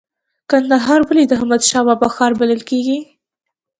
کندهار ولې د احمد شاه بابا ښار بلل کیږي؟